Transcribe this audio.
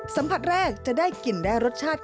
สัมผัสแรกจะได้กินได้รสชาติ